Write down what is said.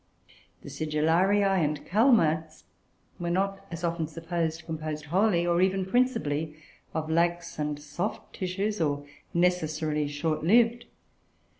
The Sigillarioe and Calamites were not, as often supposed, composed wholly, or even principally, of lax and soft tissues, or necessarily short lived.